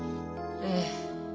ええ。